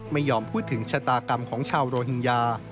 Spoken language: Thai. ไม่ยอมพูดถึงชะตากรรมของชาวโรฮิงญา